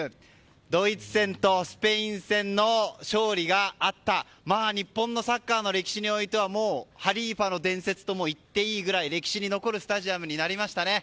ドイツ戦とスペイン戦の勝利があった日本のサッカーの歴史においてはハリーファの伝説と言っていいぐらい歴史に残るスタジアムになりましたね。